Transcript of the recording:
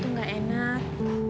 aku nggak enak